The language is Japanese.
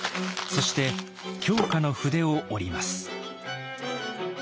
そして狂歌の筆を折ります。